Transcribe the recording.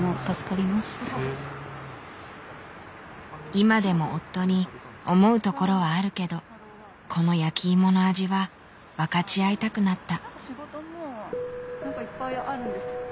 今でも夫に思うところはあるけどこの焼きいもの味は分かち合いたくなった。